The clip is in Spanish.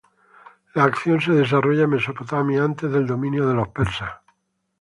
La acción se desarrolla en Mesopotamia, antes del dominio de los persas.